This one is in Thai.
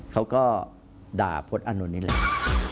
เขาก็ด่าพลตอานนท์นี่แหละ